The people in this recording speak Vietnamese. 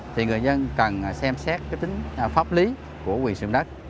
thì người dân cần xem xét tính pháp lý của quyền sử dụng đất